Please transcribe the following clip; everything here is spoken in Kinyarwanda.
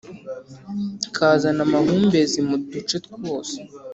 Kazana amahumbezi mu duce twose